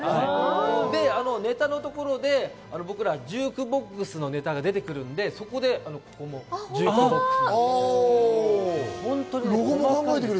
ネタのところで僕らジュークボックスのネタが出てくるので、ここにジュークボックス。